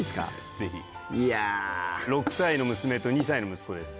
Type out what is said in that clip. ぜひ６歳の娘と２歳の息子です